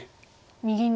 右に。